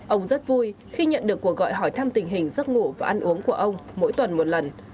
ông rất vui khi nhận được cuộc gọi hỏi thăm tình hình giấc ngủ và ăn uống của ông mỗi tuần một lần